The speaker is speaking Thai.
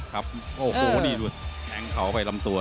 ครับโอ้โหนี่ดูแทงเขาไปลำตัว